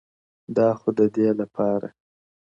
دا خو ددې لپاره،